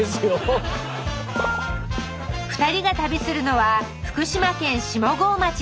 ２人が旅するのは福島県下郷町。